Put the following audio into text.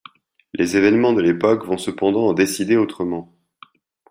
Les évènements de l'époque vont cependant en décider autrement.